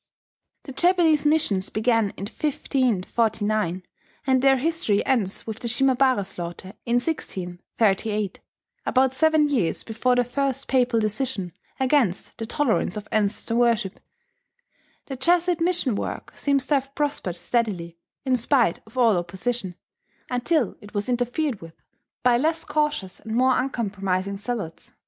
The Japanese missions began in 1549, and their history ends with the Shimabara slaughter in 1638, about seven years before the first Papal decision against the tolerance of ancestor worship. The Jesuit mission work seems to have prospered steadily, in spite of all opposition, until it was interfered with by less cautious and more uncompromising zealots.